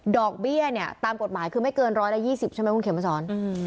ดอกเบี้ยเนี่ยตามกฎหมายคือไม่เกินร้อยละยี่สิบใช่ไหมคุณเขมมาสอน